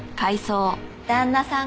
旦那さん